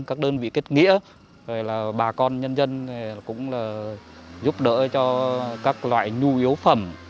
các đơn vị kết nghĩa là bà con nhân dân cũng giúp đỡ cho các loại nhu yếu phẩm